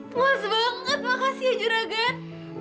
puas banget makasih ya juragan